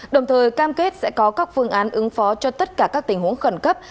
đồng thời cam kết sẽ có các phương án ứng phó cho tất cả các tình huống khẩn cấp